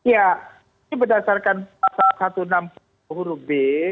ya ini berdasarkan pasal satu ratus enam puluh huruf b